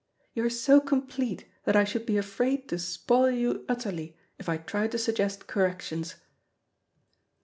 You are so complete that I should be afraid to spoil you utterly, if I tried to suggest corrections."